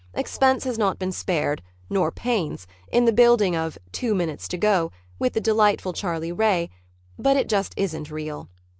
Expense has not been spared, nor pains, in the building of "Two Minutes To Go," with the delightful Charlie Ray, but it just isn't real.